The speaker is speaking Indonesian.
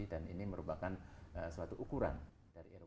dan ini merupakan suatu ukuran dari eropa